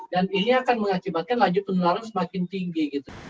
dan ini akan mengakibatkan laju penularan semakin tinggi